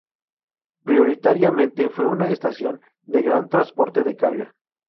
Prioritariamente fue una estación de gran transporte de carga.